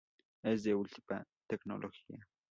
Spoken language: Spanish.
Es de última tecnología.